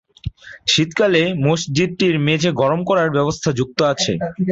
শীতকালে মসজিদটির মেঝে গরম করার ব্যবস্থা যুক্ত আছে।